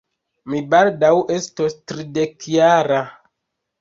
Mi baldaŭ estos tridekjara.